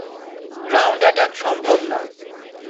Ground attack সম্ভব না।